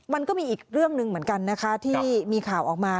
มันก็มีอีกเรื่องหนึ่งเหมือนกันนะคะที่มีข่าวออกมา